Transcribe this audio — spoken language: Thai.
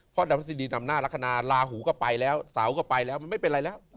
เพราะดาวพฤษฎีนำหน้าลักษณะลาหูก็ไปแล้วเสาร์ก็ไปแล้วมันไม่เป็นไรแล้ว